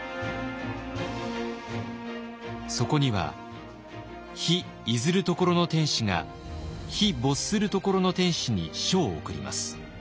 そこには「日出ずる処の天子が日没する処の天子に書を送ります。